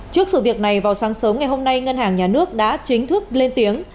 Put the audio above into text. trước sự việc này vào sáng sớm ngày hôm nay ngân hàng nhà nước đã chính thức lên tiếng